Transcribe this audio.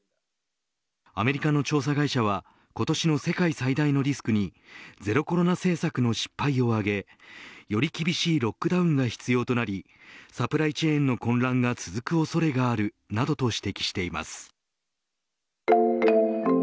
アメリカの調査会社は今年の世界最大のリスクにゼロコロナ政策の失敗を挙げより厳しいロックダウンが必要となりサプライチェーンの混乱が続く恐れがあるなどと指摘しています。